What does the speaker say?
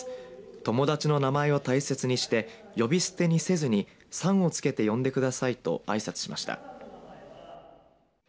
友だちの名前を大切にして呼び捨てにせずにさんを付けて呼んでくださいとあいさつしました。